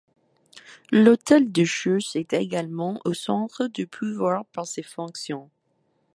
L’hôtel de Cheusses est également au centre du pouvoir par ses fonctions.